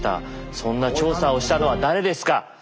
そんな調査をしたのは誰ですか？